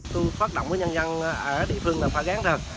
tôi phát động với nhân dân ở địa phương là phải gắn thật